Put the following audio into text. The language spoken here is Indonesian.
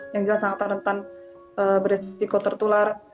yang jelas sangat rentan beresiko tertular